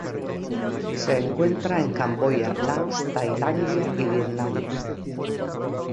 Se encuentra en Camboya, Laos, Tailandia y Vietnam.